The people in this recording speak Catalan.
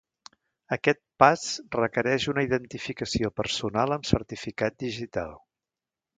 Aquest pas requereix una identificació personal amb certificat digital.